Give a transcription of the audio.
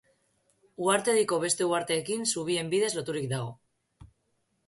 Uhartediko beste uharteekin zubien bidez loturik dago.